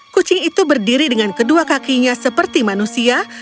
kucing itu berdiri dengan kedua kakinya seperti manusia